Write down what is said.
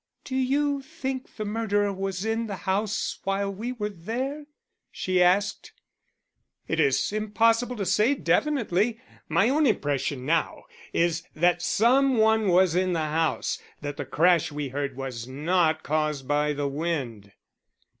"Do you think the murderer was in the house while we were there?" she asked. "It is impossible to say definitely. My own impression now is that some one was in the house that the crash we heard was not caused by the wind."